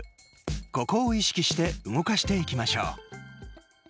ここを意識して動かしていきましょう。